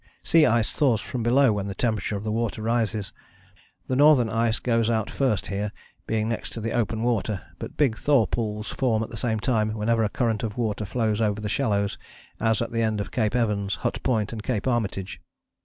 Sea ice thaws from below when the temperature of the water rises. The northern ice goes out first here, being next to the open water, but big thaw pools form at the same time wherever a current of water flows over shallows, as at the end of Cape Evans, Hut Point and Cape Armitage.